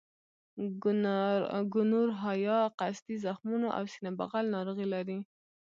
ګونورهیا قصدي زخمونو او سینه بغل ناروغۍ لري.